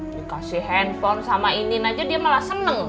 dikasih handphone sama ini aja dia malah seneng